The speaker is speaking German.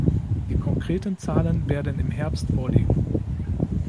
Die konkreten Zahlen werden im Herbst vorliegen.